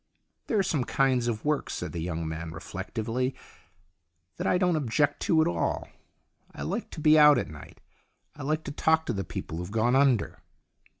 " There are some kinds of work," said the young man, reflectively, " that I don't object to at all. I like to be out at night. I like to talk to the people who've gone under.